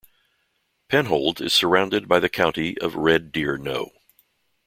Penhold is surrounded by the county of Red Deer No.